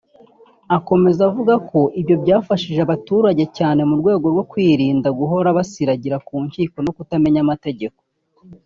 Akomeza avuga ko ibyo byafashije abaturage cyane mu rwego rwo kwirinda guhora basiragira ku nkiko no kutamenya amategeko